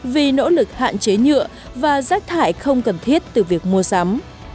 vì nỗ lực hạn chế nhựa và rác thải không cần thiết từ việc mua sắm